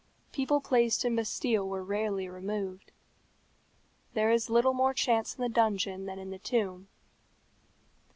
People placed in Bastiles were rarely removed. There is little more change in the dungeon than in the tomb.